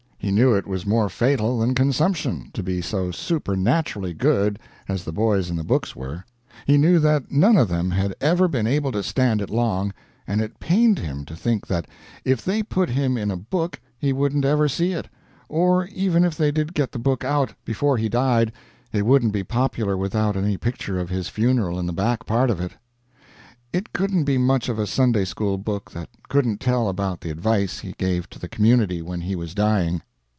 He knew it was more fatal than consumption to be so supernaturally good as the boys in the books were; he knew that none of them had ever been able to stand it long, and it pained him to think that if they put him in a book he wouldn't ever see it, or even if they did get the book out before he died it wouldn't be popular without any picture of his funeral in the back part of it. It couldn't be much of a Sunday school book that couldn't tell about the advice he gave to the community when he was dying.